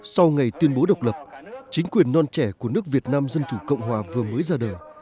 sau ngày tuyên bố độc lập chính quyền non trẻ của nước việt nam dân chủ cộng hòa vừa mới ra đời